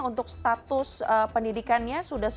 untuk status pendidikannya